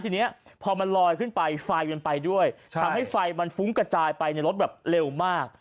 ทีนี้พอมันลอยขึ้นไปไฟมันไปด้วยทำให้ไฟมันฟุ้งกระจายไปในรถแบบเร็วมาก